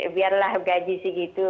biarlah gaji segitu